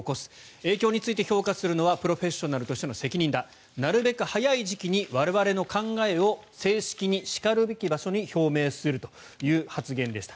影響について評価するのはプロフェッショナルとしての責任だなるべく早い時期に我々の考えを正式に、しかるべき場所に表明するという発言でした。